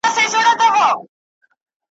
لا یې منځ د شنه ځنګله نه وو لیدلی ,